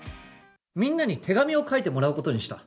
みんなに手紙を書いてもらうことにした。